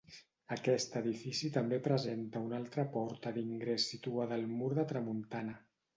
Aquest edifici també presenta una altra porta d'ingrés situada al mur de tramuntana.